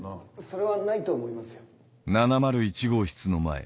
それはないと思いますよ。